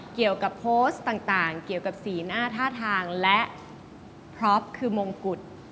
เกี่ยวกับโพสต์ต่างเกี่ยวกับสีหน้าท่าทางและพรอปคือมงกุฎ